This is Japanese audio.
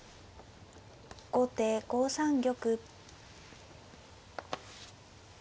後手５三玉。